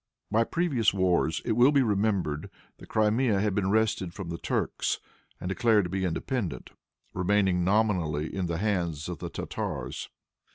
By previous wars, it will be remembered, the Crimea had been wrested from the Turks and declared to be independent, remaining nominally in the hands of the Tartars.